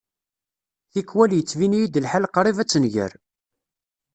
Tikwal yettbin-iyi-d lḥal qrib ad tenger.